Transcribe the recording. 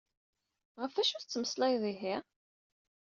Ɣef acu i ad tettmeslayeḍ ihi?